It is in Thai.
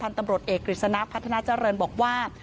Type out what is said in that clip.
ทางตำรวจเอกฤษณะพัฒนาเจ้าเรินบอกว่า